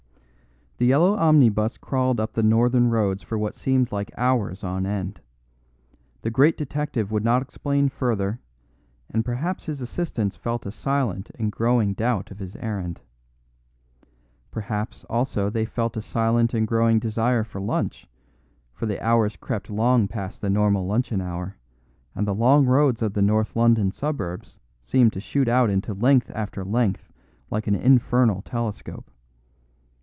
The yellow omnibus crawled up the northern roads for what seemed like hours on end; the great detective would not explain further, and perhaps his assistants felt a silent and growing doubt of his errand. Perhaps, also, they felt a silent and growing desire for lunch, for the hours crept long past the normal luncheon hour, and the long roads of the North London suburbs seemed to shoot out into length after length like an infernal telescope.